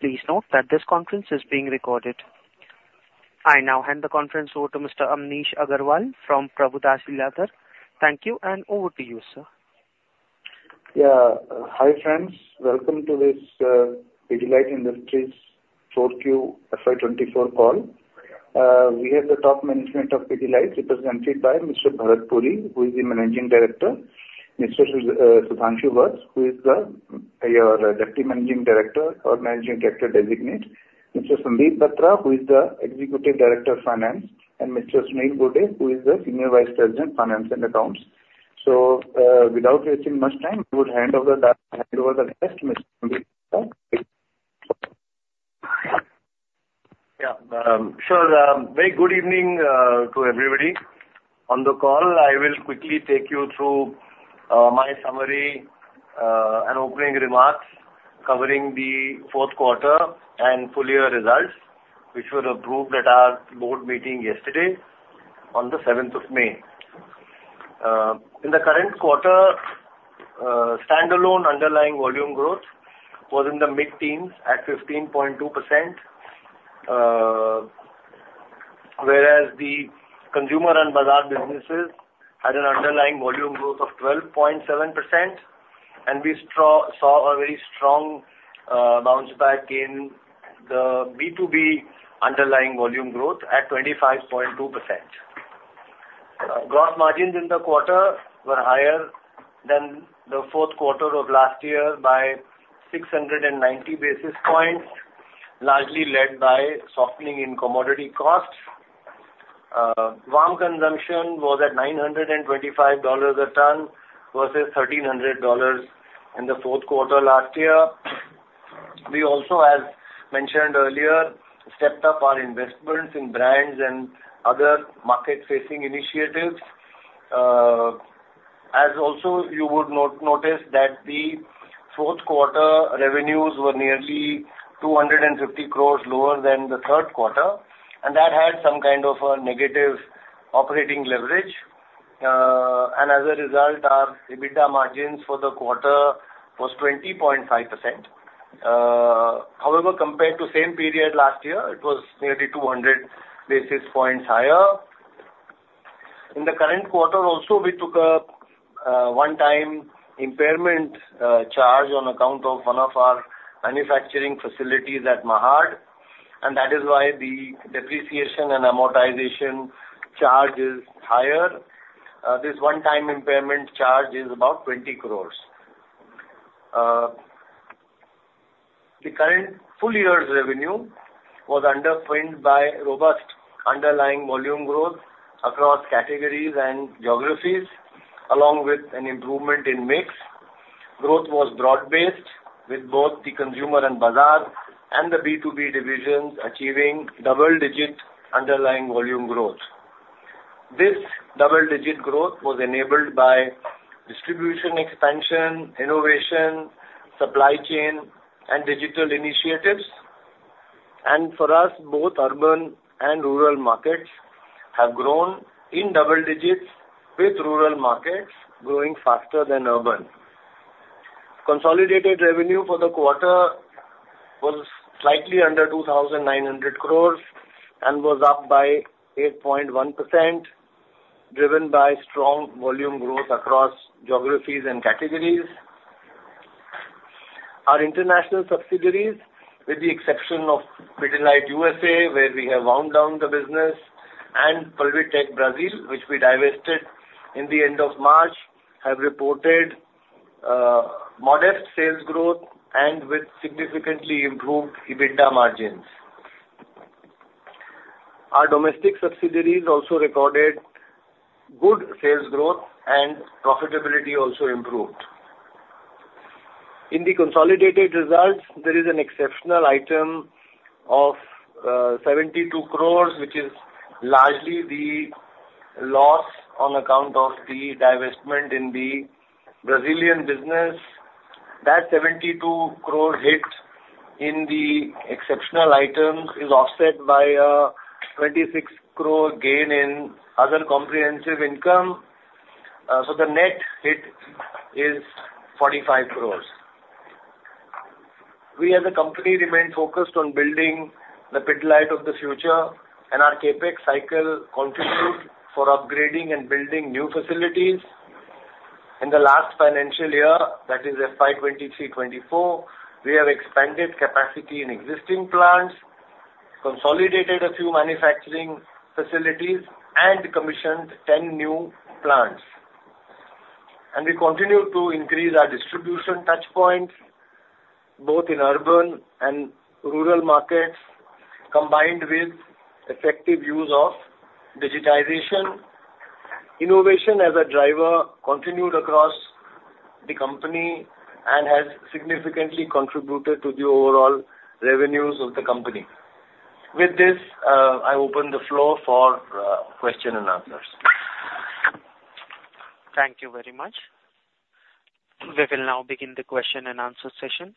Please note that this conference is being recorded. I now hand the conference over to Mr. Amnish Aggarwal from Prabhudas Lilladher. Thank you, and over to you, sir. Yeah. Hi, friends. Welcome to this Pidilite Industries 4Q FY 2024 call. We have the top management of Pidilite, represented by Mr. Bharat Puri, who is the Managing Director, Mr. Sudhanshu Vats, who is the Deputy Managing Director or Managing Director Designate, Mr. Sandeep Batra, who is the Executive Director of Finance, and Mr. Sunil Godse, who is the Senior Vice President, Finance and Accounts. So, without wasting much time, we would hand over the rest, Mr. Sandeep Batra. Yeah. So, very good evening to everybody on the call. I will quickly take you through my summary and opening remarks covering the fourth quarter and full year results, which were approved at our board meeting yesterday on the seventh of May. In the current quarter, standalone underlying volume growth was in the mid-teens at 15.2%, whereas the Consumer and Bazaar businesses had an underlying volume growth of 12.7%, and we saw a very strong bounce back in the B2B underlying volume growth at 25.2%. Gross margins in the quarter were higher than the fourth quarter of last year by 690 basis points, largely led by softening in commodity costs. VAM consumption was at $925 a ton versus $1,300 in the fourth quarter last year. We also, as mentioned earlier, stepped up our investments in brands and other market-facing initiatives. As also you would notice that the fourth quarter revenues were nearly 250 crores lower than the third quarter, and that had some kind of a negative operating leverage. And as a result, our EBITDA margins for the quarter was 20.5%. However, compared to same period last year, it was nearly 200 basis points higher. In the current quarter also, we took a one-time impairment charge on account of one of our manufacturing facilities at Mahad, and that is why the depreciation and amortization charge is higher. This one-time impairment charge is about 20 crores. The current full year's revenue was underpinned by robust underlying volume growth across categories and geographies, along with an improvement in mix. Growth was broad-based, with both the Consumer and Bazaar and the B2B divisions achieving double-digit underlying volume growth. This double-digit growth was enabled by distribution expansion, innovation, supply chain, and digital initiatives. For us, both urban and rural markets have grown in double digits, with rural markets growing faster than urban. Consolidated revenue for the quarter was slightly under 2,900 crore and was up by 8.1%, driven by strong volume growth across geographies and categories. Our international subsidiaries, with the exception of Pidilite USA, where we have wound down the business, and Pulvitec Brazil, which we divested in the end of March, have reported modest sales growth and with significantly improved EBITDA margins. Our domestic subsidiaries also recorded good sales growth, and profitability also improved. In the consolidated results, there is an exceptional item of 72 crore, which is largely the loss on account of the divestment in the Brazilian business. That seventy-two crore hit in the exceptional items is offset by a 26 crore gain in other comprehensive income, so the net hit is 45 crore. We as a company remain focused on building the Pidilite of the future, and our CapEx cycle continued for upgrading and building new facilities. In the last financial year, that is FY 2023-24, we have expanded capacity in existing plants, consolidated a few manufacturing facilities, and commissioned 10 new plants. We continue to increase our distribution touchpoints, both in urban and rural markets, combined with effective use of digitization. Innovation as a driver continued across the company and has significantly contributed to the overall revenues of the company. With this, I open the floor for question and answers. Thank you very much. We will now begin the question and answer session.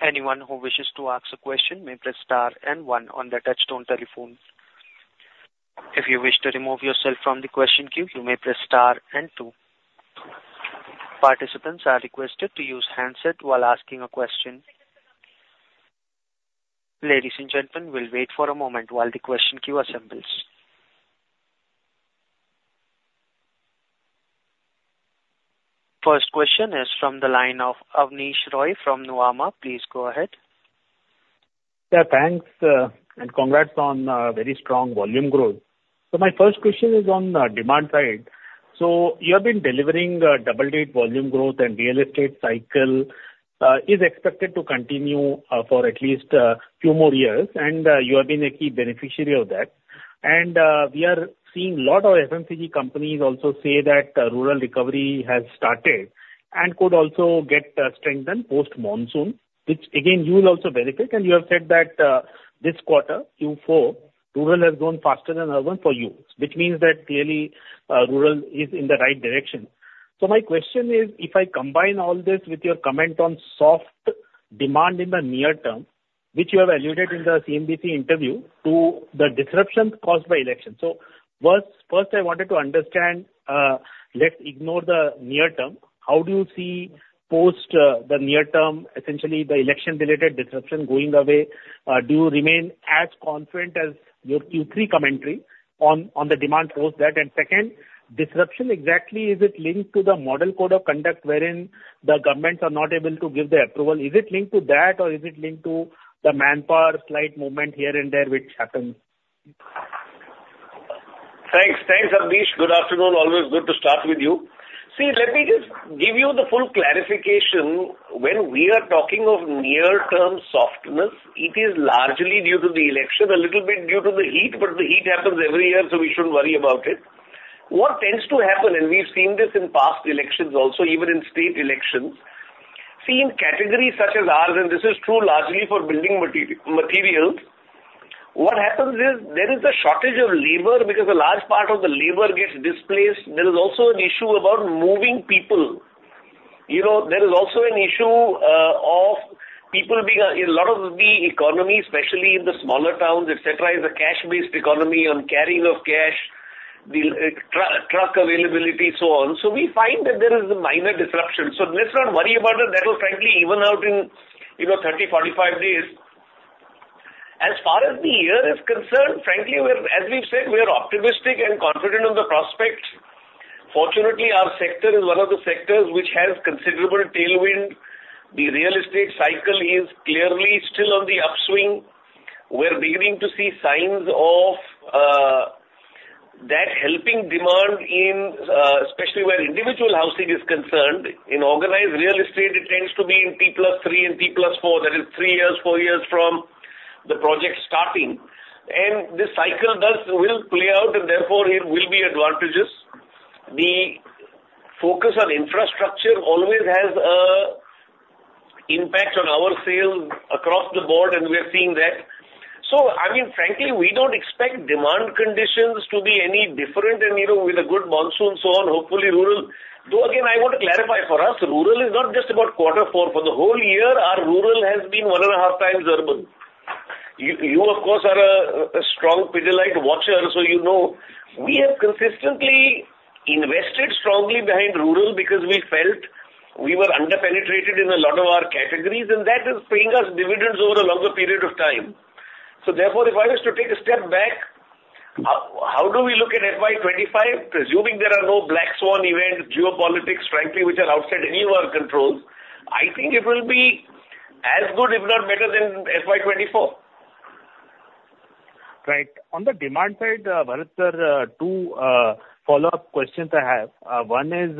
Anyone who wishes to ask a question may press star and one on the touchtone telephone. If you wish to remove yourself from the question queue, you may press star and two.... Participants are requested to use handset while asking a question. Ladies and gentlemen, we'll wait for a moment while the question queue assembles. First question is from the line of Abneesh Roy from Nuvama. Please go ahead. Yeah, thanks, and congrats on very strong volume growth. So my first question is on the demand side. So you have been delivering double-digit volume growth, and real estate cycle is expected to continue for at least two more years, and you have been a key beneficiary of that. And we are seeing a lot of FMCG companies also say that rural recovery has started and could also get strengthened post-monsoon, which again, you will also benefit. And you have said that this quarter, Q4, rural has grown faster than urban for you, which means that clearly rural is in the right direction. So my question is, if I combine all this with your comment on soft demand in the near term, which you have alluded in the CNBC interview, to the disruptions caused by elections. So first I wanted to understand, let's ignore the near term, how do you see post the near term, essentially the election-related disruption going away? Do you remain as confident as your Q3 commentary on the demand post that? And second, disruption, exactly, is it linked to the Model Code of Conduct wherein the governments are not able to give the approval? Is it linked to that, or is it linked to the manpower slight movement here and there, which happens? Thanks. Thanks, Abneesh. Good afternoon. Always good to start with you. See, let me just give you the full clarification. When we are talking of near-term softness, it is largely due to the election, a little bit due to the heat, but the heat happens every year, so we shouldn't worry about it. What tends to happen, and we've seen this in past elections also, even in state elections, see, in categories such as ours, and this is true largely for building materials, what happens is there is a shortage of labor, because a large part of the labor gets displaced. There is also an issue about moving people. You know, there is also an issue of people being a lot of the economy, especially in the smaller towns, et cetera, is a cash-based economy on carrying of cash, the truck availability, so on. So we find that there is a minor disruption. So let's not worry about it. That will frankly even out in, you know, 30-45 days. As far as the year is concerned, frankly, we're, as we've said, we are optimistic and confident on the prospects. Fortunately, our sector is one of the sectors which has considerable tailwind. The real estate cycle is clearly still on the upswing. We're beginning to see signs of that helping demand in, especially where individual housing is concerned. In organized real estate, it tends to be in T plus 3 and T plus 4. That is 3 years, 4 years from the project starting. And this cycle will play out, and therefore it will be advantageous. The focus on infrastructure always has an impact on our sales across the board, and we are seeing that. So I mean, frankly, we don't expect demand conditions to be any different and, you know, with a good monsoon, so on, hopefully rural. Though, again, I want to clarify, for us, rural is not just about quarter four. For the whole year, our rural has been 1.5 times urban. You, of course, are a strong Pidilite watcher, so you know, we have consistently invested strongly behind rural because we felt we were under-penetrated in a lot of our categories, and that is paying us dividends over a longer period of time. So therefore, if I was to take a step back, how do we look at FY 2025? Presuming there are no black swan events, geopolitics, frankly, which are outside any of our controls, I think it will be as good, if not better, than FY 2024. Right. On the demand side, Bharat, sir, two follow-up questions I have. One is,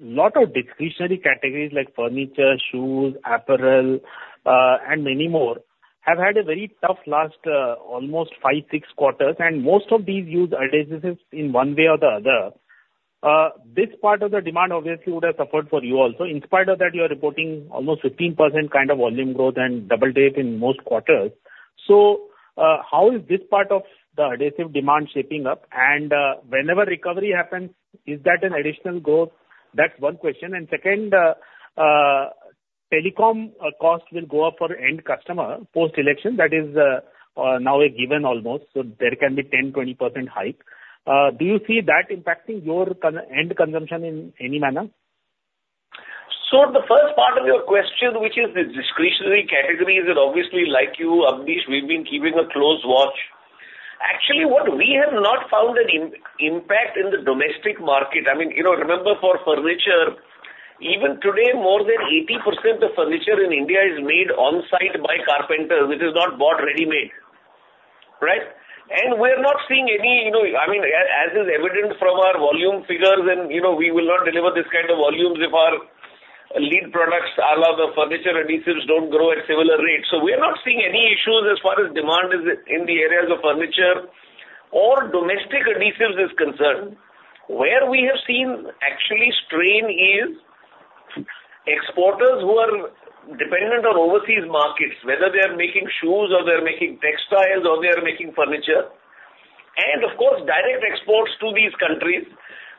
lot of discretionary categories like furniture, shoes, apparel, and many more, have had a very tough last almost 5-6 quarters, and most of these use adhesives in one way or the other. This part of the demand obviously would have suffered for you also. In spite of that, you are reporting almost 15% kind of volume growth and double-digit in most quarters. So, how is this part of the adhesive demand shaping up? And, whenever recovery happens, is that an additional growth? That's one question. And second, telecom cost will go up for end customer post-election. That is now a given almost, so there can be 10-20% hike. Do you see that impacting your consumer end consumption in any manner? So the first part of your question, which is the discretionary categories, and obviously, like you, Abneesh, we've been keeping a close watch. Actually, what we have not found an impact in the domestic market... I mean, you know, remember for furniture, even today, more than 80% of furniture in India is made on-site by carpenters, it is not bought ready-made, right? And we're not seeing any, you know, I mean, as is evident from our volume figures, and, you know, we will not deliver this kind of volumes if our lead products, ala the furniture adhesives, don't grow at similar rates. So we are not seeing any issues as far as demand is, in the areas of furniture or domestic adhesives is concerned. Where we have seen actually strain is exporters who are dependent on overseas markets, whether they are making shoes or they are making textiles or they are making furniture, and of course, direct exports to these countries.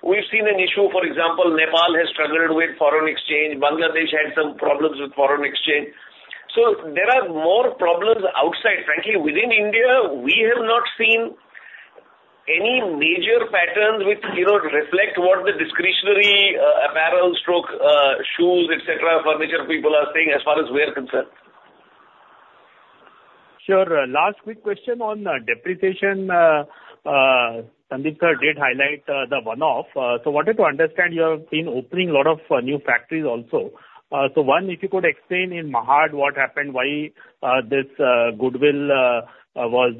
We've seen an issue, for example, Nepal has struggled with foreign exchange. Bangladesh had some problems with foreign exchange. So there are more problems outside. Frankly, within India, we have not seen any major patterns which, you know, reflect what the discretionary, apparel, shoes, et cetera, furniture people are saying as far as we're concerned? Sure. Last quick question on depreciation, Sandeep sir did highlight the one-off. So wanted to understand, you have been opening a lot of new factories also. So one, if you could explain in Mahad what happened, why this goodwill was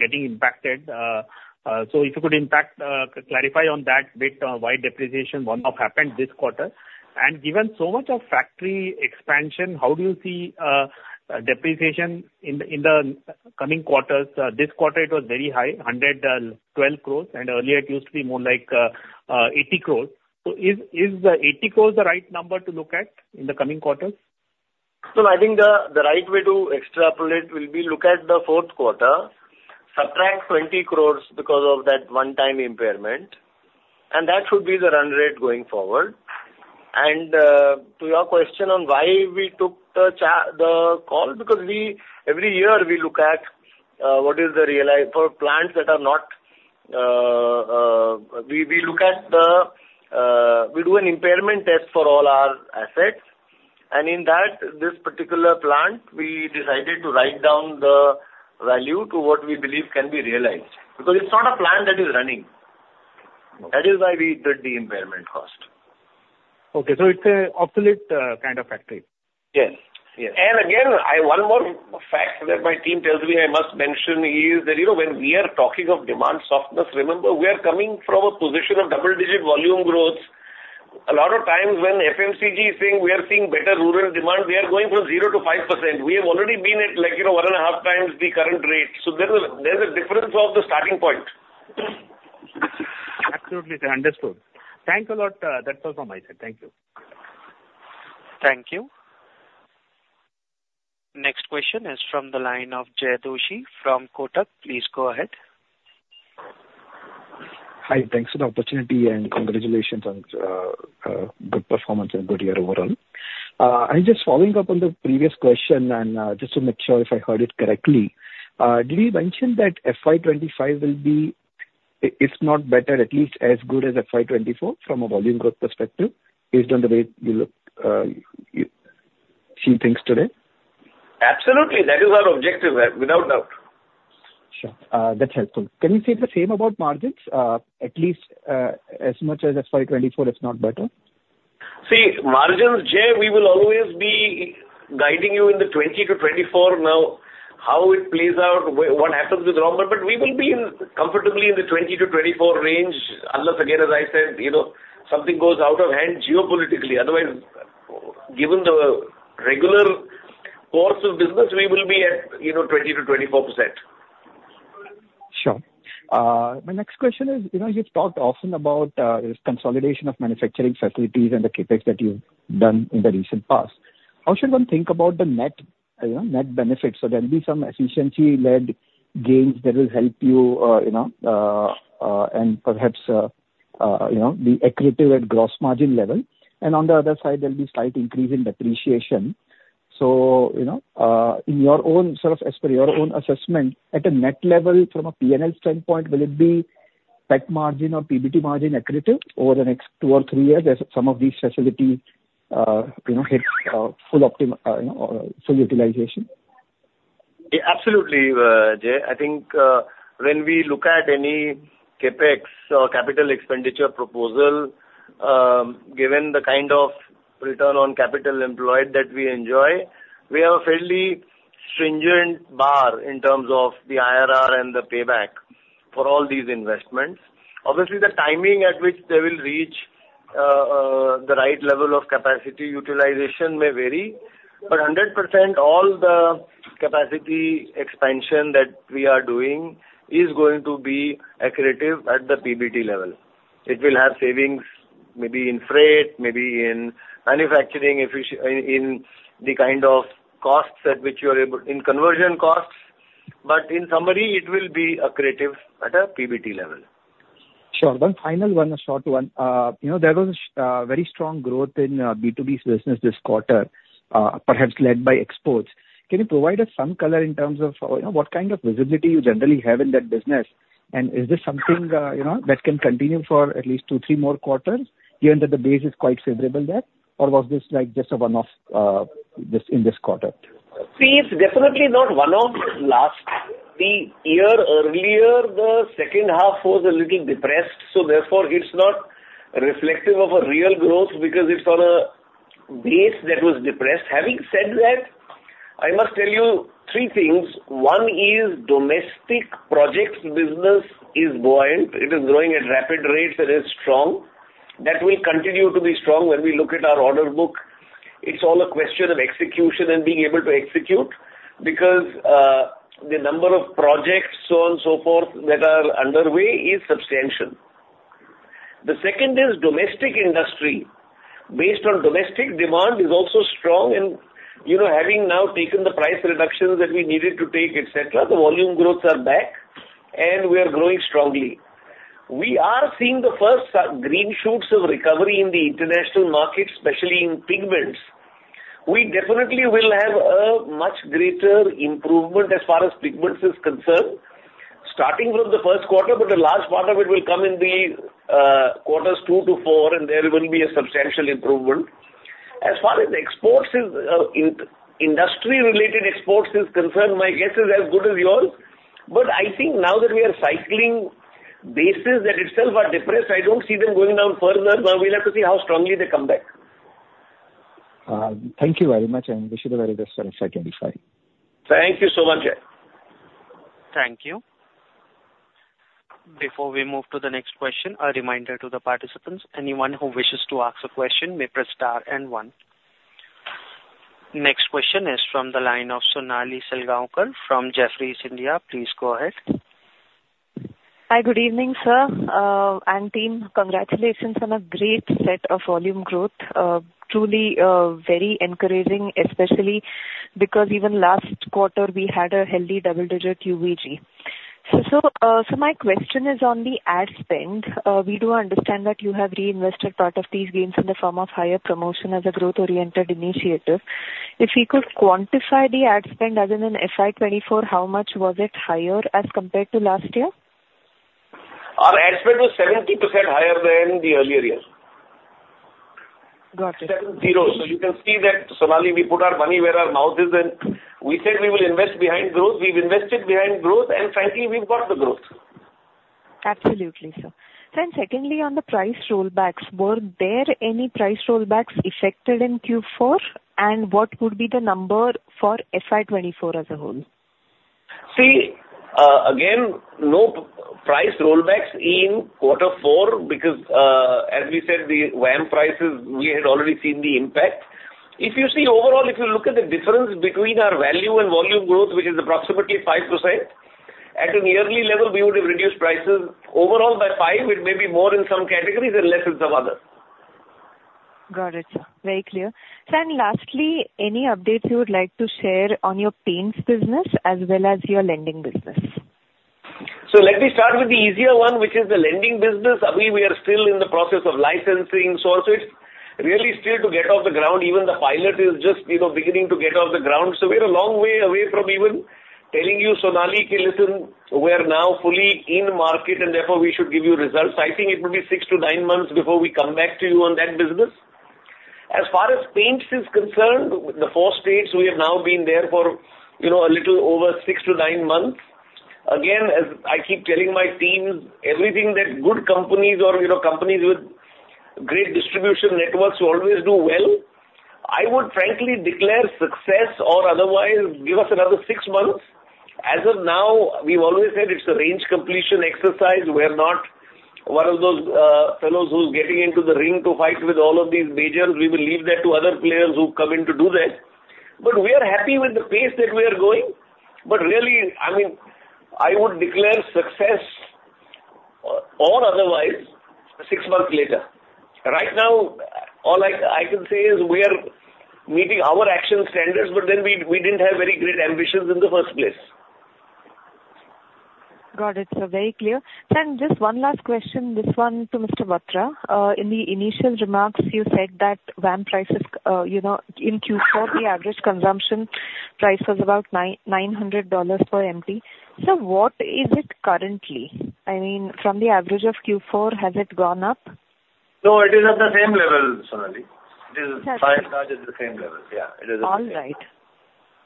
getting impacted? So if you could clarify on that bit, why depreciation one-off happened this quarter. And given so much of factory expansion, how do you see depreciation in the coming quarters? This quarter it was very high, 112 crore, and earlier it used to be more like 80 crore. So is the 80 crore the right number to look at in the coming quarters? So I think the right way to extrapolate will be look at the fourth quarter, subtract 20 crore because of that one-time impairment, and that should be the run rate going forward. And to your question on why we took the call, because every year we look at what is the realized for plants that are not. We look at the, we do an impairment test for all our assets, and in that, this particular plant, we decided to write down the value to what we believe can be realized, because it's not a plant that is running. That is why we did the impairment cost. Okay, so it's an obsolete kind of factory? Yes. Yes. And again, I, one more fact that my team tells me I must mention is that, you know, when we are talking of demand softness, remember, we are coming from a position of double-digit volume growth. A lot of times when FMCG is saying we are seeing better rural demand, we are going from 0%-5%. We have already been at, like, you know, 1.5 times the current rate. So there is, there's a difference of the starting point. Absolutely, understood. Thanks a lot. That's all from my side. Thank you. Thank you. Next question is from the line of Jay Doshi from Kotak. Please go ahead. Hi, thanks for the opportunity, and congratulations on good performance and good year overall. I'm just following up on the previous question, and just to make sure if I heard it correctly, did he mention that FY 2025 will be, if not better, at least as good as FY 2024 from a volume growth perspective, based on the way you look, you see things today? Absolutely. That is our objective, without doubt. Sure. That's helpful. Can you say the same about margins? At least, as much as FY 2024, if not better? See, margins, Jay, we will always be guiding you in the 20-24. Now, how it plays out, what happens is normal, but we will be in, comfortably in the 20-24 range, unless again, as I said, you know, something goes out of hand geopolitically. Otherwise, given the regular course of business, we will be at, you know, 20%-24%. Sure. My next question is, you know, you've talked often about consolidation of manufacturing facilities and the CapEx that you've done in the recent past. How should one think about the net, you know, net benefits? So there'll be some efficiency-led gains that will help you, you know, and perhaps, you know, be accretive at gross margin level. And on the other side, there'll be slight increase in depreciation. So, you know, in your own sort of, as per your own assessment, at a net level from a P&L standpoint, will it be tech margin or PBT margin accretive over the next two or three years as some of these facilities, you know, hit full utilization? Yeah, absolutely, Jay. I think, when we look at any CapEx or capital expenditure proposal, given the kind of return on capital employed that we enjoy, we have a fairly stringent bar in terms of the IRR and the payback for all these investments. Obviously, the timing at which they will reach the right level of capacity utilization may vary, but 100% all the capacity expansion that we are doing is going to be accretive at the PBT level. It will have savings, maybe in freight, maybe in manufacturing in the kind of costs at which you are able... In conversion costs. But in summary, it will be accretive at a PBT level. Sure. One final one, a short one. You know, there was very strong growth in B2B's business this quarter, perhaps led by exports. Can you provide us some color in terms of, you know, what kind of visibility you generally have in that business? And is this something, you know, that can continue for at least two, three more quarters, given that the base is quite favorable there, or was this, like, just a one-off, this, in this quarter? See, it's definitely not one-off. Last the year earlier, the second half was a little depressed, so therefore, it's not reflective of a real growth because it's on a base that was depressed. Having said that, I must tell you three things. One is domestic projects business is buoyant. It is growing at rapid rates and is strong. That will continue to be strong when we look at our order book. It's all a question of execution and being able to execute, because the number of projects, so on and so forth, that are underway is substantial. The second is domestic industry based on domestic demand is also strong and, you know, having now taken the price reductions that we needed to take, et cetera, the volume growths are back, and we are growing strongly. We are seeing the first green shoots of recovery in the international market, especially in pigments. We definitely will have a much greater improvement as far as pigments is concerned, starting with the first quarter, but the large part of it will come in the quarters 2 to 4, and there will be a substantial improvement. As far as the exports is industry-related exports is concerned, my guess is as good as yours. But I think now that we are cycling bases that itself are depressed, I don't see them going down further. But we'll have to see how strongly they come back. Thank you very much, and wish you the very best on FY 2025. Thank you so much. Thank you. Before we move to the next question, a reminder to the participants, anyone who wishes to ask a question may press star and one. Next question is from the line of Sonali Salgaonkar from Jefferies India. Please go ahead. Hi. Good evening, sir, and team. Congratulations on a great set of volume growth. Truly, very encouraging, especially because even last quarter we had a healthy double-digit UVG. So, so my question is on the ad spend. We do understand that you have reinvested part of these gains in the form of higher promotion as a growth-oriented initiative. If we could quantify the ad spend as in an FY 2024, how much was it higher as compared to last year? Our ad spend was 70% higher than the earlier year. Got it. 70. So you can see that, Sonali, we put our money where our mouth is, and we said we will invest behind growth. We've invested behind growth, and frankly, we've got the growth. Absolutely, sir. Then secondly, on the price rollbacks, were there any price rollbacks effected in Q4? And what would be the number for FY 2024 as a whole? See, again, no price rollbacks in quarter four, because, as we said, the VAM prices, we had already seen the impact. If you see overall, if you look at the difference between our value and volume growth, which is approximately 5%, at a nearly level, we would have reduced prices overall by five. It may be more in some categories and less in some others. Got it, sir. Very clear. Sir, and lastly, any updates you would like to share on your paints business as well as your lending business? So let me start with the easier one, which is the lending business. We are still in the process of licensing sources. Really, still to get off the ground, even the pilot is just, you know, beginning to get off the ground. So we're a long way away from even telling you, Sonali, okay, listen, we're now fully in market, and therefore, we should give you results. I think it will be 6-9 months before we come back to you on that business. As far as paints is concerned, the 4 states we have now been there for, you know, a little over 6-9 months. Again, as I keep telling my teams, everything that good companies or, you know, companies with great distribution networks always do well. I would frankly declare success or otherwise, give us another 6 months. As of now, we've always said it's a range completion exercise. We're not one of those fellows who's getting into the ring to fight with all of these majors. We will leave that to other players who come in to do that. But we are happy with the pace that we are going. But really, I mean, I would declare success or otherwise six months later. Right now, all I can say is we are meeting our action standards, but then we didn't have very great ambitions in the first place. Got it, sir. Very clear. Sir, and just one last question, this one to Mr. Batra. In the initial remarks, you said that VAM prices, you know, in Q4, the average consumption price was about $900 per MT. Sir, what is it currently? I mean, from the average of Q4, has it gone up? No, it is at the same level, Sonali. It is- Got it. 5, that is the same level. Yeah, it is the same. All right.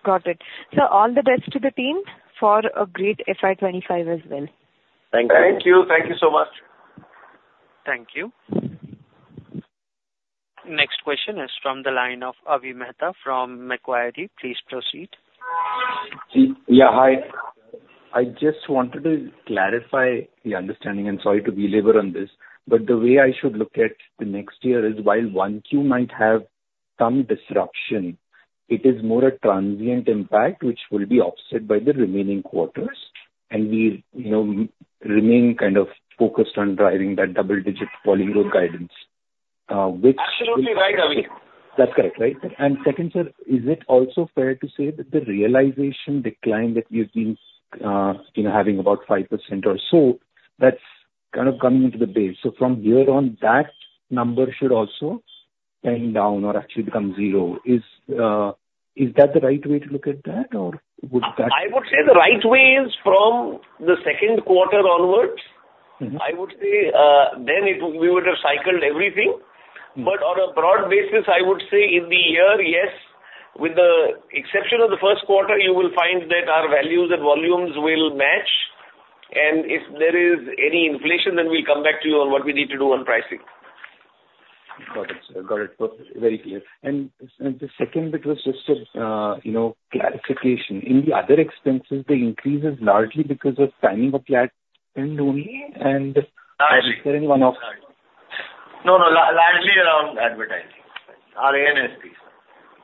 Got it. Sir, all the best to the team for a great FY 25 as well. Thank you. Thank you. Thank you so much. Thank you. Next question is from the line of Avi Mehta from Macquarie. Please proceed. Yeah, hi. I just wanted to clarify the understanding, and sorry to belabor on this, but the way I should look at the next year is while one Q might have some disruption, it is more a transient impact, which will be offset by the remaining quarters. And we, you know, remain kind of focused on driving that double-digit volume growth guidance, which- Absolutely, right, Avi. That's correct, right? And second, sir, is it also fair to say that the realization decline that you've been, you know, having about 5% or so, that's kind of coming into the base. So from here on, that number should also trend down or actually become zero. Is, is that the right way to look at that, or would that- I would say the right way is from the second quarter onwards. I would say, then it, we would have cycled everything. On a broad basis, I would say in the year, yes, with the exception of the first quarter, you will find that our values and volumes will match, and if there is any inflation, then we'll come back to you on what we need to do on pricing. Got it, sir. Got it. Very clear. And the second bit was just, you know, clarification. In the other expenses, the increase is largely because of timing of ad spend only, and- Largely. Is there any one-off? No, no, largely around advertising. Our A&SPs.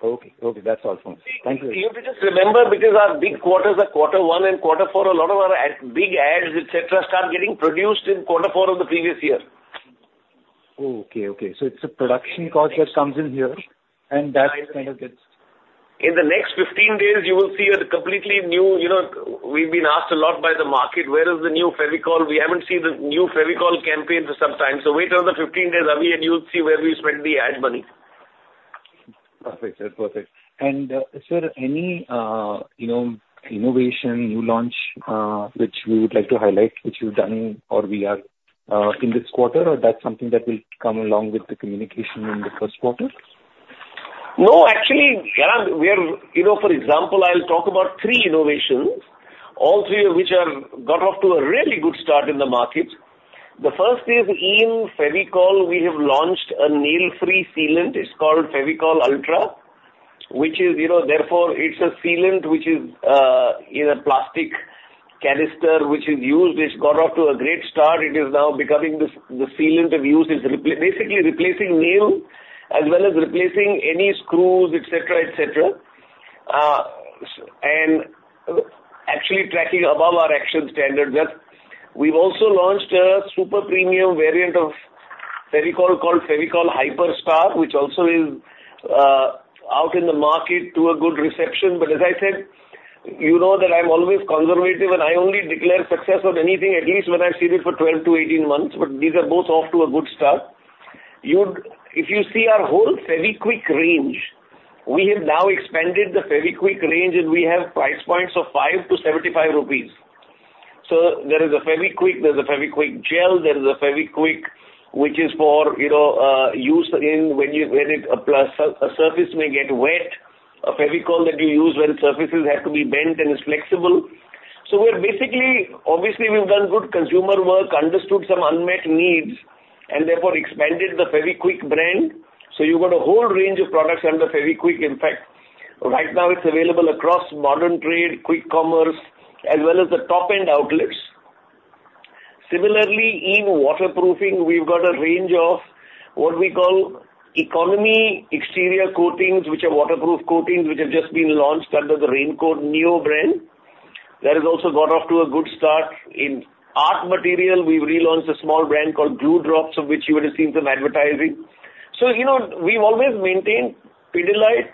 Okay. Okay, that's all from me. Thank you. You have to just remember, because our big quarters are quarter one and quarter four, a lot of our big ads, et cetera, start getting produced in quarter four of the previous year. Okay, okay. So it's a production cost that comes in here, and that kind of gets- In the next 15 days, you will see a completely new, you know, we've been asked a lot by the market, where is the new Fevicol? We haven't seen the new Fevicol campaign for some time. So wait another 15 days, Avi, and you'll see where we spend the ad money. Perfect, sir. Perfect. And, sir, any, you know, innovation, new launch, which you would like to highlight, which you've done or we are, in this quarter, or that's something that will come along with the communication in the first quarter? No, actually, Arnab, we are, you know, for example, I'll talk about three innovations, all three of which are got off to a really good start in the market. The first is in Fevicol, we have launched a nail-free sealant. It's called Fevicol Ultra, which is, you know, therefore, it's a sealant which is in a plastic canister, which is used. It's got off to a great start. It is now becoming the the sealant of use. It's basically replacing nail, as well as replacing any screws, et cetera, et cetera, and actually tracking above our action standard there. We've also launched a super premium variant of Fevicol called Fevicol Hi-Per, which also is out in the market to a good reception. But as I said, you know that I'm always conservative, and I only declare success on anything, at least when I've seen it for 12-18 months, but these are both off to a good start. You'd—If you see our whole Fevikwik range, we have now expanded the Fevikwik range, and we have price points of 5-75 rupees. So there is a Fevikwik, there's a Fevikwik Gel, there is a Fevikwik, which is for, you know, use in when you, when it, a surface may get wet, a Fevicol that you use when surfaces have to be bent and is flexible. So we're basically, obviously, we've done good consumer work, understood some unmet needs, and therefore expanded the Fevikwik brand. So you've got a whole range of products under Fevikwik. In fact, right now it's available across modern trade, quick commerce, as well as the top-end outlets. Similarly, in waterproofing, we've got a range of what we call economy exterior coatings, which are waterproof coatings, which have just been launched under the Raincoat Neo brand. That has also got off to a good start. In art material, we've relaunched a small brand called Glue Drops, of which you would have seen some advertising. So, you know, we've always maintained Pidilite,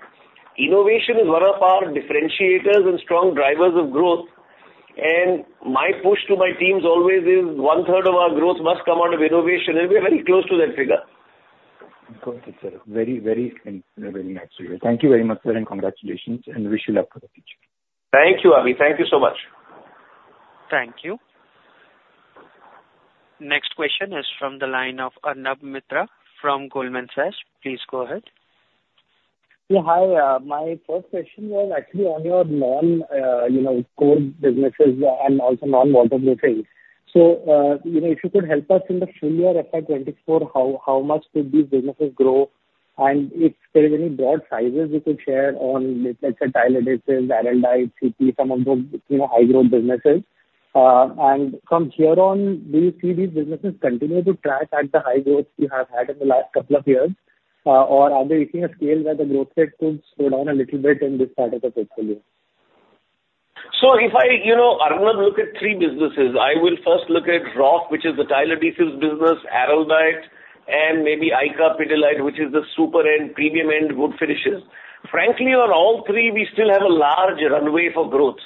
innovation is one of our differentiators and strong drivers of growth, and my push to my teams always is one-third of our growth must come out of innovation, and we're very close to that figure. Got it, sir. Very, very, and very nice to hear. Thank you very much, sir, and congratulations, and wish you luck for the future. Thank you, Avi. Thank you so much. Thank you. Next question is from the line of Arnab Mitra from Goldman Sachs. Please go ahead. Yeah, hi. My first question was actually on your non, you know, core businesses and also non-waterproofing. So, you know, if you could help us in the full year FY 2024, how, how much could these businesses grow? And if there is any broad sizes you could share on, let's say, tile adhesives, Araldite, CIPY, some of the, you know, high-growth businesses. And from here on, do you see these businesses continue to track at the high growth you have had in the last couple of years? Or are they hitting a scale where the growth rate could slow down a little bit in this part of the portfolio? So if I, you know, Arnab, look at three businesses, I will first look at Roff, which is the tile adhesives business, Araldite, and maybe ICA Pidilite, which is the super end, premium end wood finishes. Frankly, on all three, we still have a large runway for growth.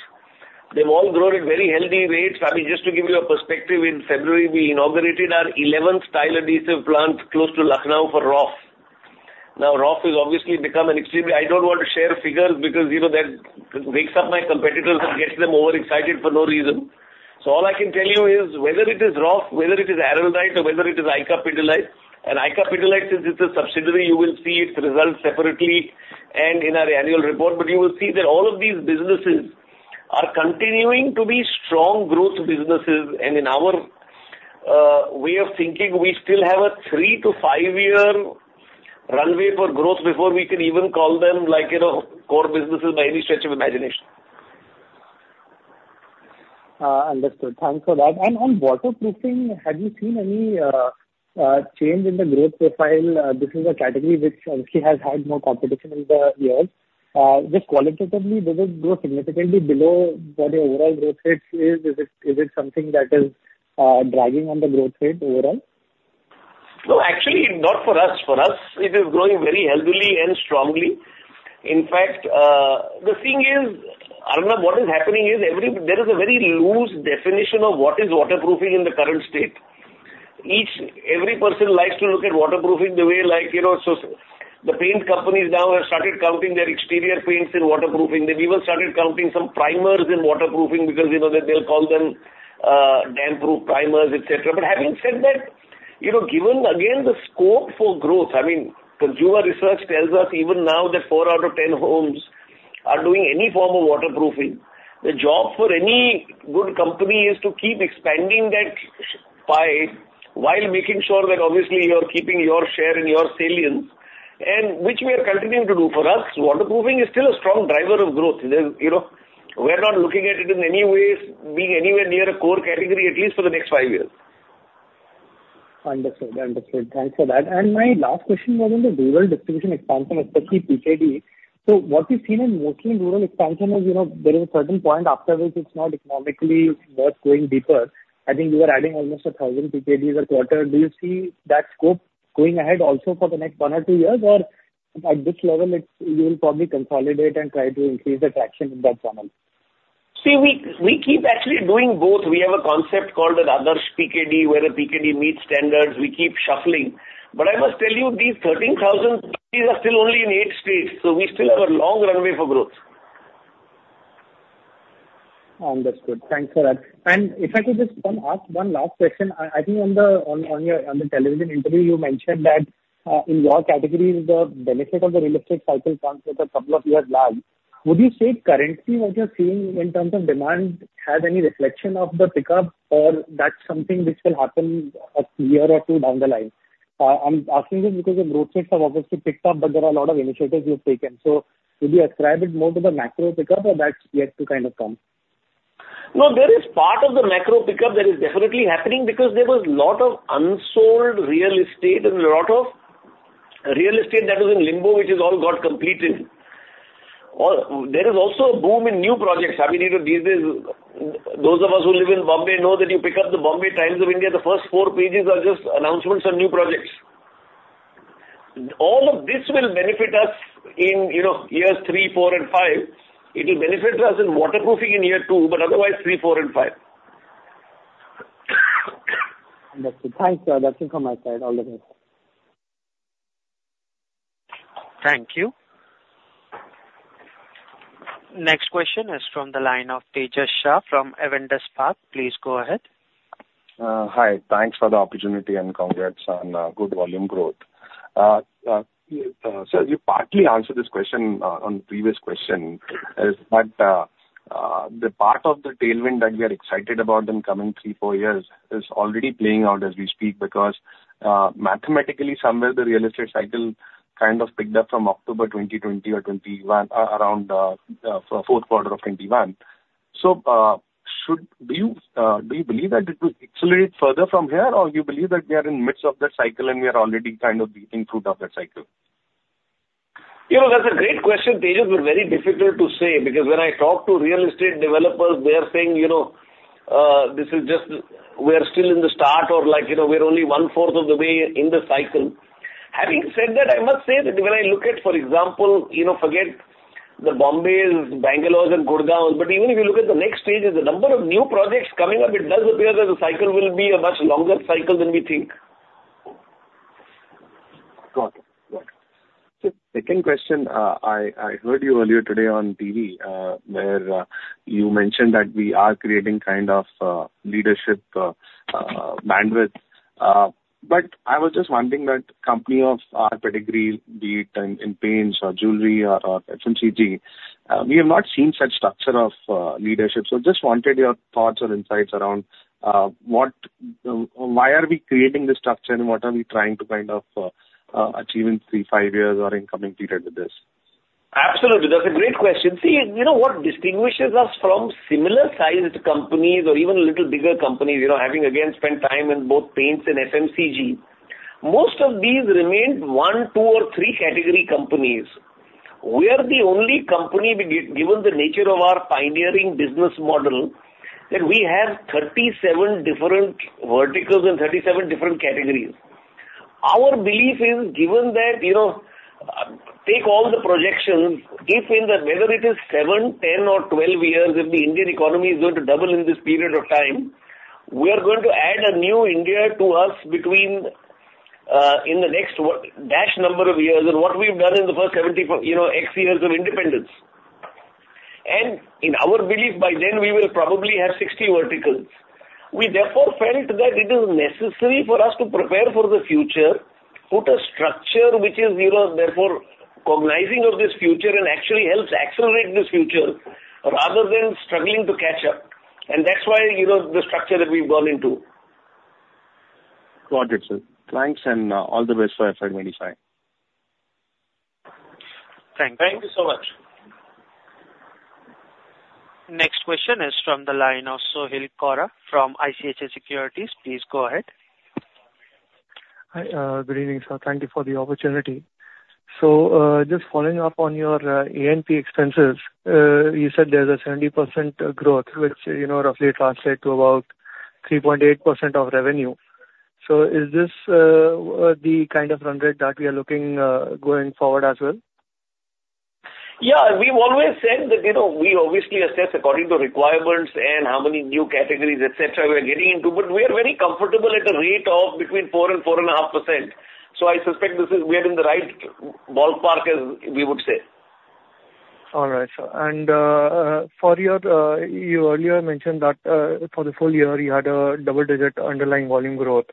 They've all grown at very healthy rates. I mean, just to give you a perspective, in February, we inaugurated our eleventh tile adhesive plant close to Lucknow for Roff. Now, Roff has obviously become an extremely... I don't want to share figures because, you know, that wakes up my competitors and gets them overexcited for no reason. So all I can tell you is whether it is Roff, whether it is Araldite, or whether it is ICA Pidilite, and ICA Pidilite, since it's a subsidiary, you will see its results separately and in our annual report. But you will see that all of these businesses are continuing to be strong growth businesses. And in our way of thinking, we still have a 3-5-year runway for growth before we can even call them, like, you know, core businesses by any stretch of imagination. Understood. Thanks for that. And on waterproofing, have you seen any change in the growth profile? This is a category which obviously has had no competition in the years. Just qualitatively, does it grow significantly below what the overall growth rate is? Is it something that is dragging on the growth rate overall? No, actually, not for us. For us, it is growing very healthily and strongly. In fact, the thing is, Arnab, what is happening is there is a very loose definition of what is waterproofing in the current state. Every person likes to look at waterproofing the way like, you know, so the paint companies now have started counting their exterior paints in waterproofing. They've even started counting some primers in waterproofing, because, you know, they'll call them damproof primers, et cetera. But having said that, you know, given again the scope for growth, I mean, consumer research tells us even now that four out of ten homes are doing any form of waterproofing. The job for any good company is to keep expanding that pie while making sure that obviously you're keeping your share and your salience, and which we are continuing to do. For us, waterproofing is still a strong driver of growth. You know, we're not looking at it in any way being anywhere near a core category, at least for the next five years. Understood. Understood. Thanks for that. And my last question was on the rural distribution expansion, especially PKD. So what we've seen in working rural expansion is, you know, there is a certain point after which it's not economically worth going deeper. I think you are adding almost 1,000 PKD per quarter. Do you see that scope going ahead also for the next one or two years? Or at this level, it's - you'll probably consolidate and try to increase the traction in that funnel? ... See, we, we keep actually doing both. We have a concept called an Adarsh PKD, where a PKD meets standards, we keep shuffling. But I must tell you, these 13,000 PKD are still only in eight states, so we still have a long runway for growth. Understood. Thanks for that. And if I could just come ask one last question. I think on the television interview, you mentioned that in your categories, the benefit of the real estate cycle comes with a couple of years lag. Would you say currently what you're seeing in terms of demand has any reflection of the pickup, or that's something which will happen a year or two down the line? I'm asking this because the growth rates have obviously picked up, but there are a lot of initiatives you've taken. So would you ascribe it more to the macro pickup or that's yet to kind of come? No, there is part of the macro pickup that is definitely happening because there was a lot of unsold real estate and a lot of real estate that was in limbo, which has all got completed. Or there is also a boom in new projects. I mean, you know, these days, those of us who live in Bombay know that you pick up the Bombay Times of India, the first four pages are just announcements on new projects. All of this will benefit us in, you know, years three, four and five. It will benefit us in waterproofing in year two, but otherwise, three, four and five. Understood. Thanks, sir. That's it from my side. All the best. Thank you. Next question is from the line of Tejas Shah from Avendus Spark. Please go ahead. Hi. Thanks for the opportunity and congrats on good volume growth. So you partly answered this question on the previous question, but the part of the tailwind that we are excited about in coming 3-4 years is already playing out as we speak, because mathematically, somewhere the real estate cycle kind of picked up from October 2020 or 2021, around fourth quarter of 2021. So, do you believe that it will accelerate further from here? Or you believe that we are in midst of that cycle, and we are already kind of eating fruit of that cycle? You know, that's a great question, Tejas, but very difficult to say, because when I talk to real estate developers, they are saying, you know, this is just, we are still in the start or like, you know, we're only one-fourth of the way in the cycle. Having said that, I must say that when I look at, for example, you know, forget the Bombays, Bangalores and Gurgaons, but even if you look at the next stages, the number of new projects coming up, it does appear that the cycle will be a much longer cycle than we think. Got it. Got it. So second question. I heard you earlier today on TV, where you mentioned that we are creating kind of leadership bandwidth. But I was just wondering that company of our pedigree, be it in paints or jewelry or FMCG, we have not seen such structure of leadership. So just wanted your thoughts or insights around what... why are we creating this structure, and what are we trying to kind of achieve in three, five years or in coming period with this? Absolutely. That's a great question. See, you know, what distinguishes us from similar-sized companies or even a little bigger companies, you know, having again, spent time in both paints and FMCG, most of these remained 1, 2, or 3 category companies. We are the only company, given the nature of our pioneering business model, that we have 37 different verticals and 37 different categories. Our belief is, given that, you know, take all the projections, if in the whether it is 7, 10 or 12 years, if the Indian economy is going to double in this period of time, we are going to add a new India to us between, in the next what, dash number of years, and what we've done in the first 74, you know, X years of independence. And in our belief, by then, we will probably have 60 verticals. We therefore felt that it is necessary for us to prepare for the future, put a structure which is, you know, therefore cognizing of this future and actually helps accelerate this future rather than struggling to catch up. That's why, you know, the structure that we've gone into. Got it, sir. Thanks and all the best for Asian Paints. Thank you. Thank you so much. Next question is from the line of Sheal Sequeira from ICICI Securities. Please go ahead. Hi, good evening, sir. Thank you for the opportunity. So, just following up on your A&P expenses, you said there's a 70% growth, which, you know, roughly translate to about 3.8% of revenue. So is this the kind of run rate that we are looking going forward as well? Yeah, we've always said that, you know, we obviously assess according to requirements and how many new categories, et cetera, we are getting into, but we are very comfortable at a rate of between 4% and 4.5%. So I suspect we are in the right ballpark, as we would say. All right, sir. And, for your... You earlier mentioned that, for the full year, you had a double digit underlying volume growth.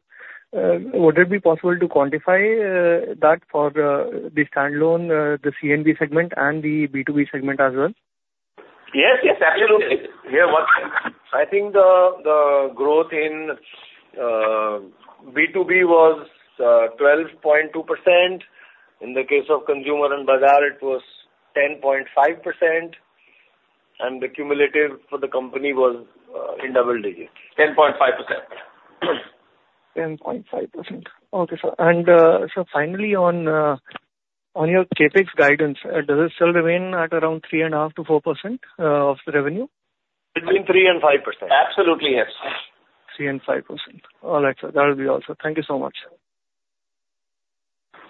Would it be possible to quantify, that for, the standalone, the C&B segment and the B2B segment as well? Yes, yes, absolutely. Yeah, I think the growth in B2B was 12.2%. In the case of Consumer and Bazaar, it was 10.5%, and the cumulative for the company was in double digits, 10.5%. 10.5%. Okay, sir. And, so finally on, on your CapEx guidance, does it still remain at around 3.5%-4% of the revenue? Between 3% and 5%. Absolutely, yes. 3% and 5%. All right, sir. That will be all, sir. Thank you so much.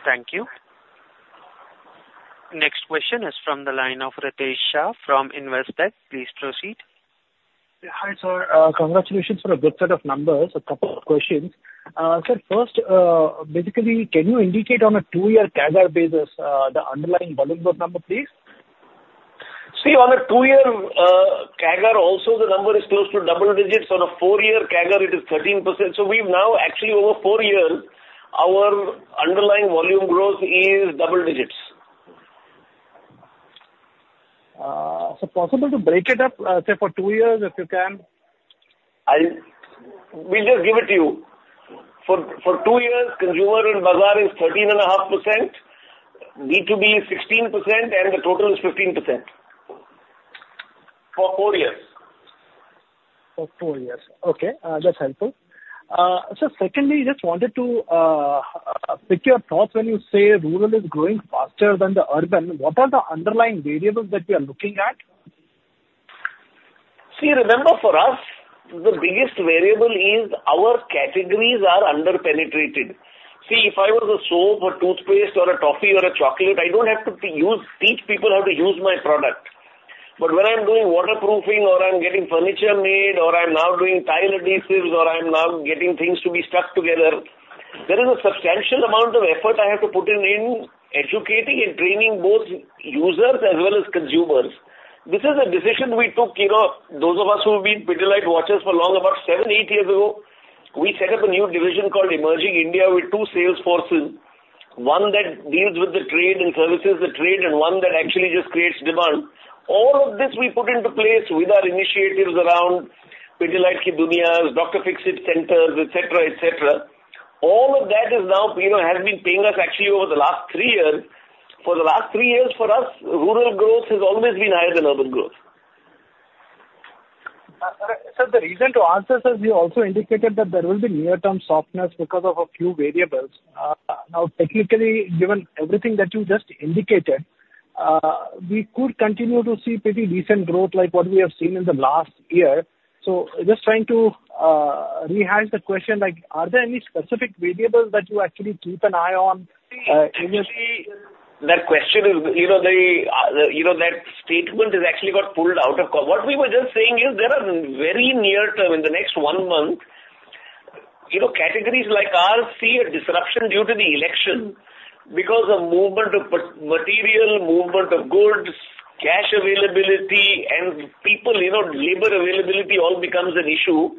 Thank you. Next question is from the line of Ritesh Shah from Investec. Please proceed. Yeah, hi, sir. Congratulations for a good set of numbers. A couple of questions. Sir, first, basically, can you indicate on a two-year CAGR basis, the underlying volume growth number, please? See, on a two-year CAGR, also the number is close to double digits. On a four-year CAGR, it is 13%. So we've now actually, over four years, our underlying volume growth is double digits. So possible to break it up, say, for two years, if you can? We'll just give it to you. For two years, Consumer and Bazaar is 13.5%, B2B is 16%, and the total is 15%. For four years. For four years. Okay, that's helpful. So secondly, just wanted to pick your thoughts when you say rural is growing faster than the urban. What are the underlying variables that we are looking at? See, remember, for us, the biggest variable is our categories are under-penetrated. See, if I were the soap or toothpaste or a toffee or a chocolate, I don't have to teach people how to use my product. But when I'm doing waterproofing or I'm getting furniture made, or I'm now doing tile adhesives, or I'm now getting things to be stuck together, there is a substantial amount of effort I have to put in, in educating and training both users as well as consumers. This is a decision we took, you know, those of us who have been Pidilite watchers for long, about 7, 8 years ago, we set up a new division called Emerging India, with two sales forces. One that deals with the trade and services, the trade, and one that actually just creates demand. All of this we put into place with our initiatives around Pidilite Ki Duniya, Dr. Fixit centers, et cetera, et cetera. All of that is now, you know, has been paying us actually over the last three years. For the last three years, for us, rural growth has always been higher than urban growth. Sir, the reason to ask this is, you also indicated that there will be near-term softness because of a few variables. Now, technically, given everything that you just indicated, we could continue to see pretty decent growth like what we have seen in the last year. So just trying to rehash the question, like, are there any specific variables that you actually keep an eye on? Can you- See, actually, that question is, you know, the, you know, that statement is actually got pulled out of con... What we were just saying is there are very near-term, in the next one month, you know, categories like ours see a disruption due to the election, because of movement of people and material, movement of goods, cash availability and people, you know, labor availability all becomes an issue.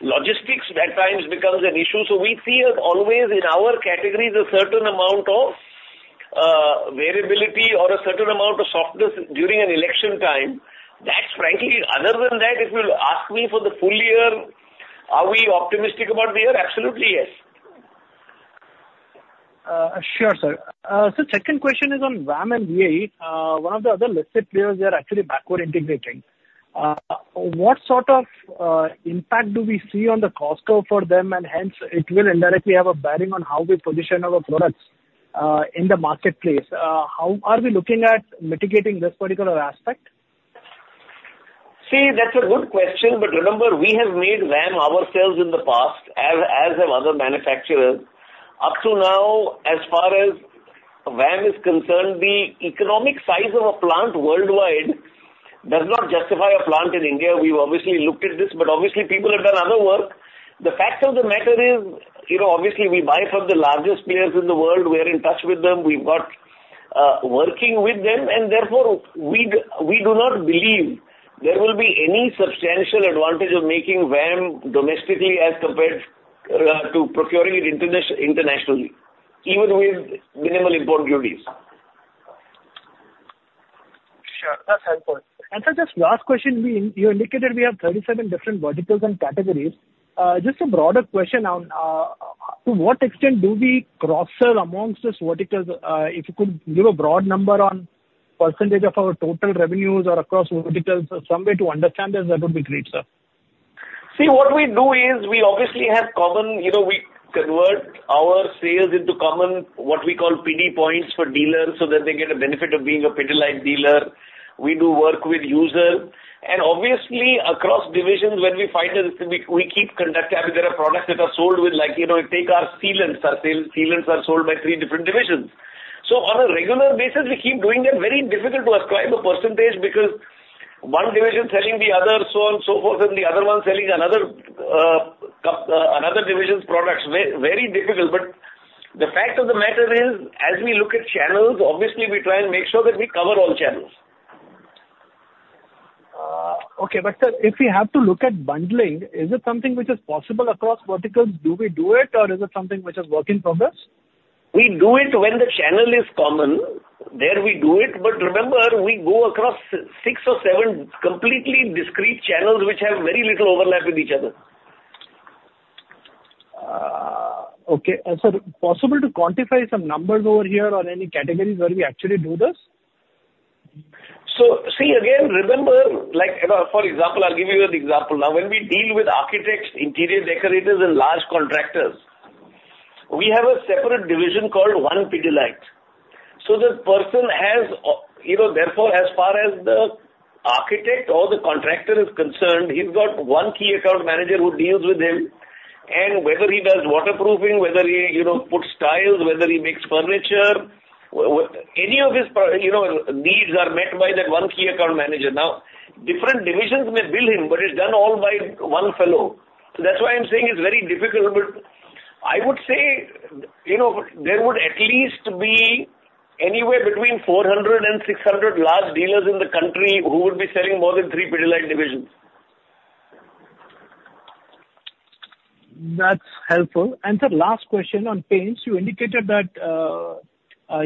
Logistics at times becomes an issue. So we see as always in our categories, a certain amount of variability or a certain amount of softness during an election time. That's frankly, other than that, if you'll ask me for the full year, are we optimistic about the year? Absolutely, yes. Sure, sir. So second question is on VAM and VA. One of the other listed players, they are actually backward integrating. What sort of impact do we see on the cost curve for them, and hence it will indirectly have a bearing on how we position our products in the marketplace? How are we looking at mitigating this particular aspect? See, that's a good question, but remember, we have made VAM ourselves in the past, as have other manufacturers. Up to now, as far as VAM is concerned, the economic size of a plant worldwide does not justify a plant in India. We've obviously looked at this, but obviously people have done other work. The fact of the matter is, you know, obviously, we buy from the largest players in the world. We are in touch with them. We've got working with them, and therefore, we do not believe there will be any substantial advantage of making VAM domestically as compared to procuring it internationally, even with minimal import duties. Sure. That's helpful. Sir, just last question, we, you indicated we have 37 different verticals and categories. Just a broader question on, to what extent do we cross-sell amongst these verticals? If you could give a broad number on percentage of our total revenues or across verticals or some way to understand this, that would be great, sir. See, what we do is we obviously have common, you know, we convert our sales into common, what we call PD points for dealers, so that they get a benefit of being a Pidilite dealer. We do work with user, and obviously, across divisions, when we find that we keep. I mean, there are products that are sold with, like, you know, take our sealants. Our sealants are sold by three different divisions. So on a regular basis, we keep doing that. Very difficult to ascribe a percentage, because one division selling the other, so on and so forth, and the other one selling another division's products. Very difficult, but the fact of the matter is, as we look at channels, obviously, we try and make sure that we cover all channels. Okay, but sir, if we have to look at bundling, is it something which is possible across verticals? Do we do it, or is it something which is work in progress? We do it when the channel is common. There, we do it, but remember, we go across six or seven completely discrete channels, which have very little overlap with each other. Okay. Sir, possible to quantify some numbers over here on any categories where we actually do this? So see, again, remember, like, for example, I'll give you an example. Now, when we deal with architects, interior decorators, and large contractors, we have a separate division called One Pidilite.... So this person has, you know, therefore, as far as the architect or the contractor is concerned, he's got one key account manager who deals with him, and whether he does waterproofing, whether he, you know, puts tiles, whether he makes furniture, any of his you know, needs are met by that one key account manager. Now, different divisions may bill him, but it's done all by one fellow. So that's why I'm saying it's very difficult, but I would say, you know, there would at least be anywhere between 400 and 600 large dealers in the country who would be selling more than three Pidilite divisions. That's helpful. Sir, last question on paints. You indicated that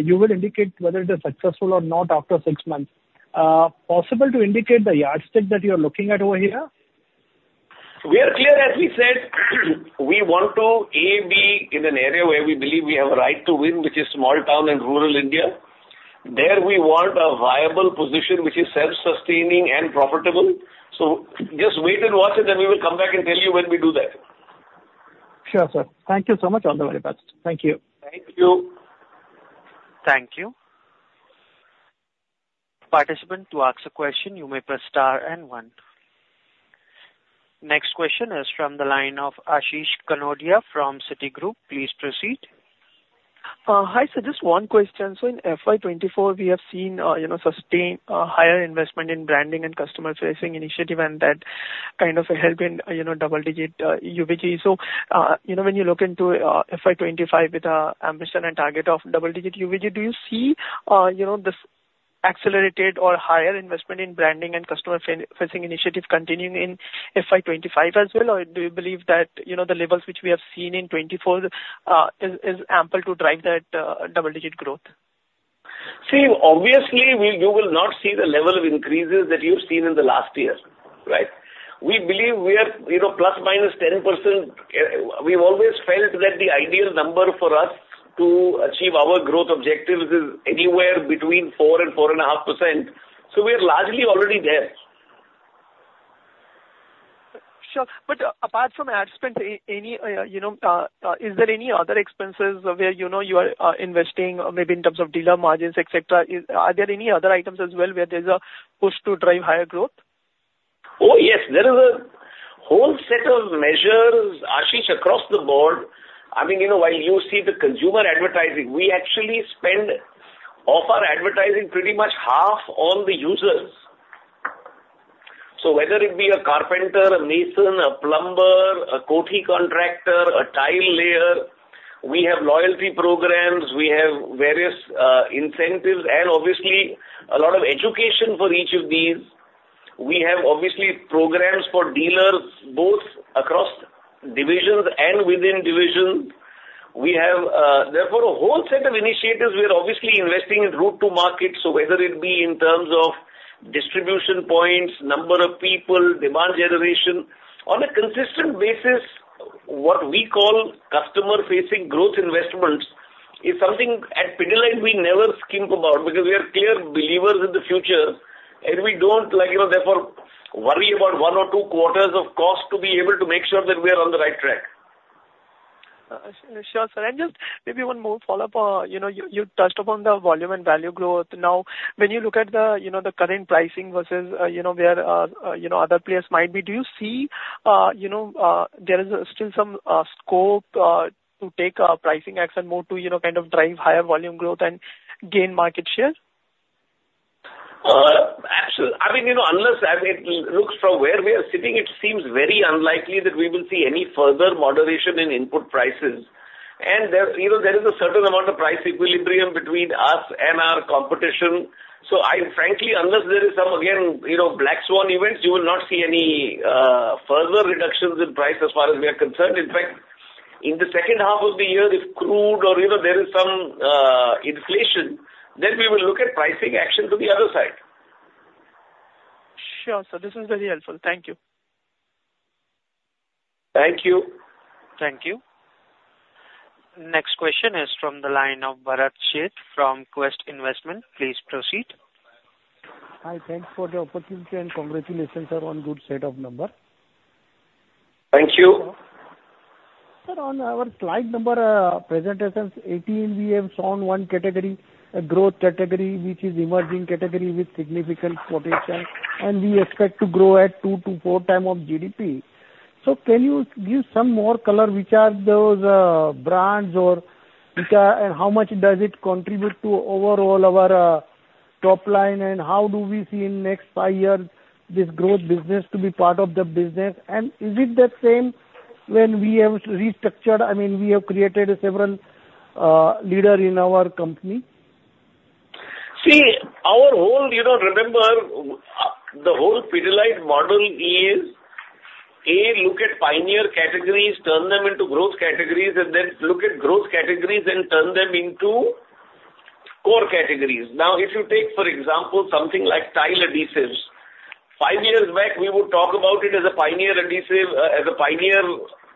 you would indicate whether it is successful or not after six months. Possible to indicate the yardstick that you are looking at over here? We are clear, as we said, we want to, A, be in an area where we believe we have a right to win, which is small town and rural India. There we want a viable position which is self-sustaining and profitable. So just wait and watch, and then we will come back and tell you when we do that. Sure, sir. Thank you so much. All the very best. Thank you. Thank you. Thank you. Participant, to ask a question, you may press star and one. Next question is from the line of Ashish Kanodia from Citigroup. Please proceed. Hi, sir, just one question. So in FY 2024, we have seen, you know, sustained, higher investment in branding and customer-facing initiative, and that kind of helping, you know, double-digit UVG. So, you know, when you look into FY 2025 with ambition and target of double-digit UVG, do you see, you know, this accelerated or higher investment in branding and customer-facing initiative continuing in FY 2025 as well? Or do you believe that, you know, the levels which we have seen in 2024 is ample to drive that double-digit growth? See, obviously, you will not see the level of increases that you've seen in the last year, right? We believe we are, you know, ±10%. We've always felt that the ideal number for us to achieve our growth objectives is anywhere between 4% and 4.5%, so we are largely already there. Sure. But apart from ad spend, any, you know, is there any other expenses where, you know, you are investing, maybe in terms of dealer margins, et cetera? Are there any other items as well, where there's a push to drive higher growth? Oh, yes. There is a whole set of measures, Ashish, across the board. I mean, you know, while you see the consumer advertising, we actually spend, of our advertising, pretty much half on the users. So whether it be a carpenter, a mason, a plumber, a coating contractor, a tile layer, we have loyalty programs, we have various incentives and obviously a lot of education for each of these. We have obviously programs for dealers, both across divisions and within divisions. We have therefore a whole set of initiatives. We are obviously investing in route to market. So whether it be in terms of distribution points, number of people, demand generation, on a consistent basis, what we call customer-facing growth investments, is something at Pidilite we never skimp about, because we are clear believers in the future, and we don't like, you know, therefore, worry about 1 or 2 quarters of cost to be able to make sure that we are on the right track. Sure, sir. And just maybe one more follow-up. You know, you touched upon the volume and value growth. Now, when you look at the, you know, the current pricing versus, you know, where, you know, other players might be, do you see, you know, there is still some scope to take a pricing action more to, you know, kind of drive higher volume growth and gain market share? I mean, you know, unless, I mean, it looks from where we are sitting, it seems very unlikely that we will see any further moderation in input prices. And there, you know, there is a certain amount of price equilibrium between us and our competition. So I frankly, unless there is some, again, you know, black swan events, you will not see any, further reductions in price as far as we are concerned. In fact, in the second half of the year, if crude or, you know, there is some, inflation, then we will look at pricing action to the other side. Sure, sir, this is very helpful. Thank you. Thank you. Thank you. Next question is from the line of Bharat Sheth from Quest Investment. Please proceed. Hi, thanks for the opportunity, and congratulations, sir, on good set of number. Thank you. Sir, on our slide number, presentations, as we have shown one category, a growth category, which is emerging category with significant potential, and we expect to grow at 2-4 times of GDP. So can you give some more color, which are those, brands or which are—and how much does it contribute to overall our, top line, and how do we see in next 5 years this growth business to be part of the business? And is it the same when we have restructured, I mean, we have created several, leader in our company? See, our whole, you know, remember, the whole Pidilite model is, A, look at pioneer categories, turn them into growth categories, and then look at growth categories and turn them into core categories. Now, if you take, for example, something like tile adhesives, 5 years back, we would talk about it as a pioneer adhesive, as a pioneer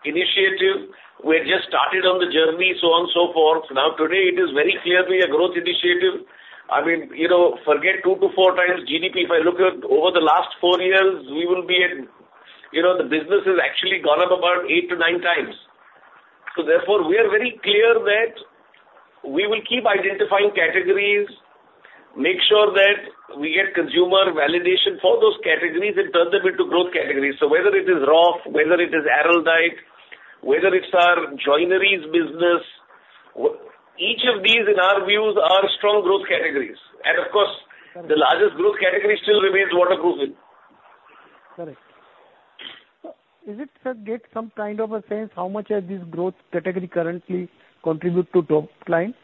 initiative. We had just started on the journey, so on and so forth. Now, today it is very clearly a growth initiative. I mean, you know, forget 2-4 times GDP. If I look at over the last 4 years, we will be at, you know, the business has actually gone up about 8-9 times.... So therefore, we are very clear that we will keep identifying categories, make sure that we get consumer validation for those categories, and turn them into growth categories. So whether it is Roff, whether it is Araldite, whether it's our joineries business, each of these, in our views, are strong growth categories. And of course, the largest growth category still remains waterproofing. Correct. Sir, get some kind of a sense, how much has this growth category currently contribute to top line?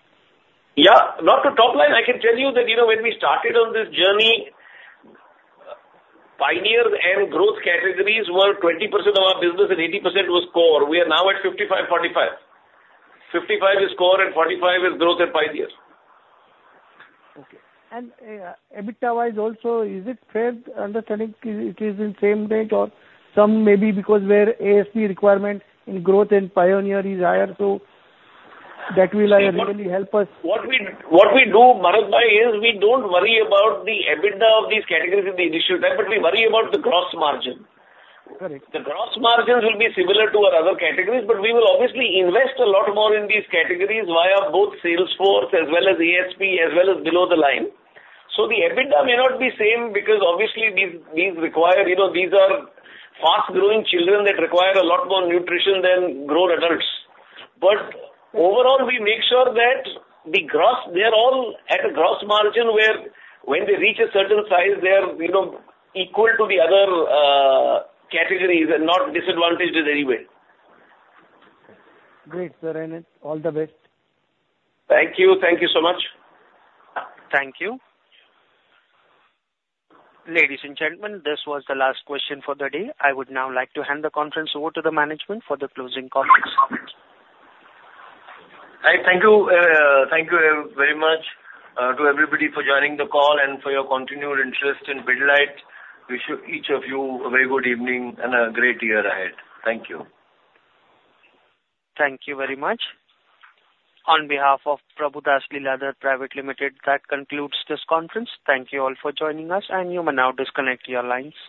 Yeah. Not to top line. I can tell you that, you know, when we started on this journey, pioneer and growth categories were 20% of our business and 80% was core. We are now at 55-45. 55 is core and 45 is growth and pioneers. Okay. And, EBITDA-wise also, is it fair understanding it, it is in same rate or some maybe because where A&P requirement in growth and pioneer is higher, so that will ultimately help us? What we do, Manoj bhai, is we don't worry about the EBITDA of these categories in the initial time, but we worry about the gross margin. Correct. The gross margins will be similar to our other categories, but we will obviously invest a lot more in these categories via both sales force as well as A&P, as well as below the line. So the EBITDA may not be same, because obviously, these, these require... You know, these are fast-growing children that require a lot more nutrition than grown adults. But overall, we make sure that the gross, they're all at a gross margin, where when they reach a certain size, they are, you know, equal to the other categories and not disadvantaged in any way. Great, sir, and all the best. Thank you. Thank you so much. Thank you. Ladies and gentlemen, this was the last question for the day. I would now like to hand the conference over to the management for the closing comments. I thank you, thank you very much, to everybody for joining the call and for your continued interest in Pidilite. Wish each of you a very good evening and a great year ahead. Thank you. Thank you very much. On behalf of Prabhudas Lilladher Private Limited, that concludes this conference. Thank you all for joining us, and you may now disconnect your lines.